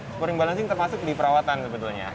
scoring balancing termasuk di perawatan sebetulnya